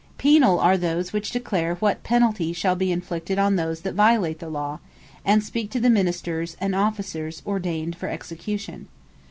Penal are those, which declare, what Penalty shall be inflicted on those that violate the Law; and speak to the Ministers and Officers ordained for execution.